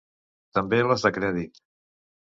També les de crèdit.